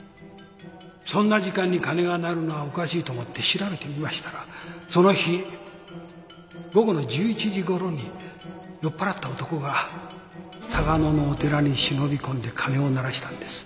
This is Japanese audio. そんな時間に鐘が鳴るのはおかしいと思って調べてみましたらその日午後の１１時ごろに酔っぱらった男が嵯峨野のお寺に忍び込んで鐘を鳴らしたんです。